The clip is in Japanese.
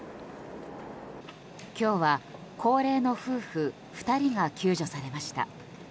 今日は高齢の夫婦２人が救助されました。